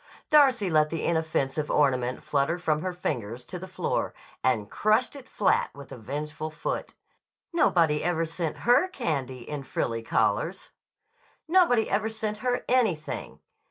Darcy let the inoffensive ornament flutter from her fingers to the floor and crushed it flat with a vengeful foot. Nobody ever sent her candy in frilly collars! Nobody ever sent her anything!